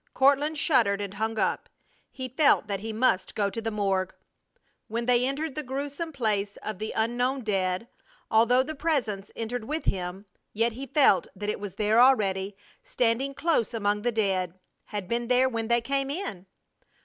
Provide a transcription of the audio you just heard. Courtland shuddered and hung up. He felt that he must go to the morgue. When they entered the gruesome place of the unknown dead, although the Presence entered with him, yet he felt that it was there already, standing close among the dead; had been there when they came in!